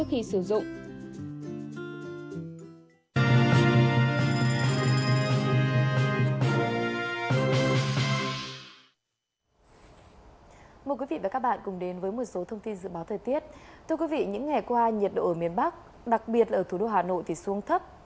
hạn chế sử dụng sản phẩm đóng hộp